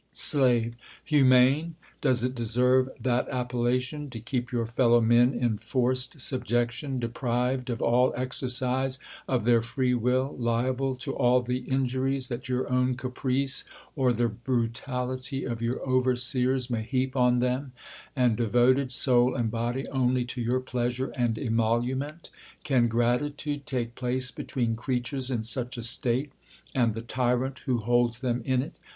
Slave, Humane! Does it desen^e that appellation to keep your fellow men in forced i,ubjection, deprived of all exercise of their free will, liable to all the inju ries that your own caprice, or the brutality of your overseers, may heap on them, and devoted, soul and body, only to your pleasure and emolument? Can gratitude take place between creatures in such a state, and the tyrant wh© holds them in it